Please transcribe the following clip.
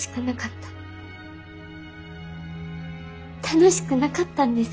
楽しくなかったんです。